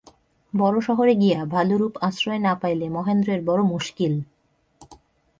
বড়ো শহরে গিয়া ভালোরূপ আশ্রয় না পাইলে মহেন্দ্রের বড়ো মুশকিল।